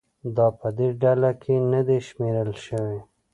دا په دې ډله کې نه دي شمېرل شوي